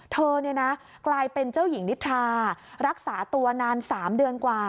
เธอกลายเป็นเจ้าหญิงนิทรารักษาตัวนาน๓เดือนกว่า